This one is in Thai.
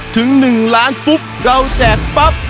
ถึง๑ล้านปุ๊บเราแจกปั๊บ